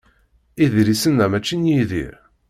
Idlisen-a mačči n Yidir.